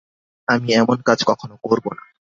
আমি এমন কাজ কখনো করব না।